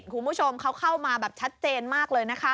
คุณผู้ชมเขาเข้ามาแบบชัดเจนมากเลยนะคะ